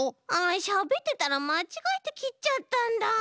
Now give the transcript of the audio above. しゃべってたらまちがえてきっちゃったんだ。